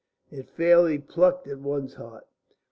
... It fairly plucked at one's heart.